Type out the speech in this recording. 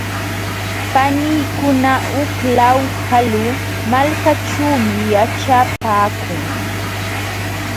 Paniykuna huk law kalu malkaćhuumi yaćhapaakun.